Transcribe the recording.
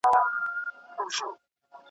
سل دي ومره خو د سلو سر دي مه مره